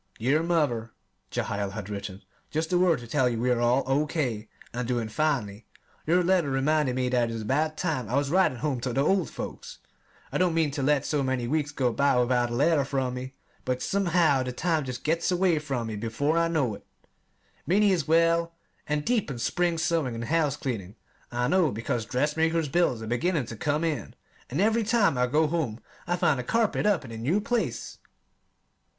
Dear Mother [Jehiel had written]: Just a word to tell you we are all O. K. and doing finely. Your letter reminded me that it was about time I was writing home to the old folks. I don't mean to let so many weeks go by without a letter from me, but somehow the time just gets away from me before I know it. Minnie is well and deep in spring sewing and house cleaning. I know because dressmaker's bills are beginning to come in, and every time I go home I find a carpet up in a new place!